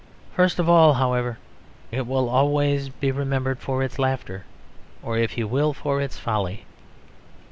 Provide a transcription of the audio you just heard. First of all, however, it will always be remembered for its laughter, or, if you will, for its folly.